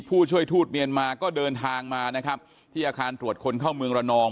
ผู้ช่วยทูตเมียนมาก็เดินทางมานะครับที่อาคารตรวจคนเข้าเมืองระนอง